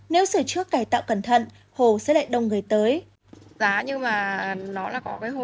nếu sửa trước cải tạo cẩn thận hồ sẽ lại đông người tới